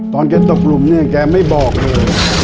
ตอนแกตกหลุมเนี่ยแกไม่บอกเลย